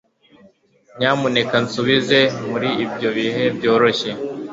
nyamuneka, nsubize muri ibyo bihe byoroshye